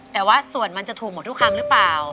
แต่ว่าส่วนมันจะถูกหมดทุกคำหรือเปล่า